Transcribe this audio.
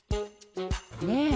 ねえ。